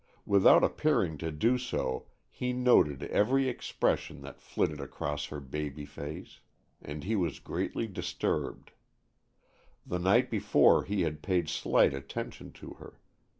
Without appearing to do so, he noted every expression that flitted across her baby face. And he was greatly disturbed. The night before he had paid slight attention to her.